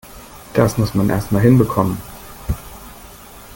Das muss man erst mal hinbekommen!